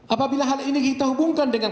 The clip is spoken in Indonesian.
apabila hal ini kita hubungkan dengan